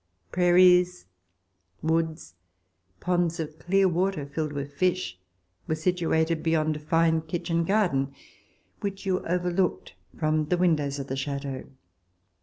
Prairies, woods, ponds of clear water filled with fish, were situated beyond a fine kitchen garden, which you overlooked from the windows of the chateau.